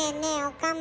岡村。